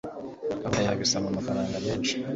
Gahunda yawe isaba amafaranga menshi.